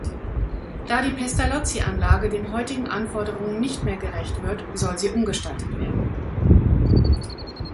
Da die Pestalozzi-Anlage den heutigen Anforderungen nicht mehr gerecht wird, soll sie umgestaltet werden.